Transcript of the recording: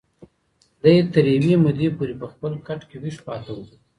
دی تر یوې مودې پورې په خپل کټ کې ویښ پاتې و.